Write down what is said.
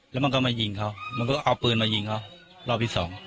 แล้วมันก็มายิงเขามันก็เอาปืนมายิงเขารอบที่สอง